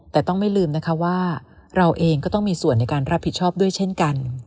แต่ต้องไม่ลืมนะคะว่าเราเองก็ต้องมีส่วนในการรับผิดชอบด้วยเช่นกัน